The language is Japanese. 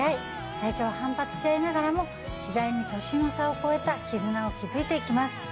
最初は反発し合いながらも次第に年の差を超えた絆を築いていきます。